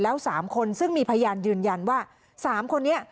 แล้ว๓คนซึ่งมีพยานยืนยันว่า๓คนนี้